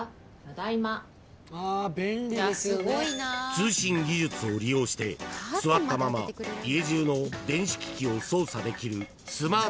［通信技術を利用して座ったまま家中の電子機器を操作できる］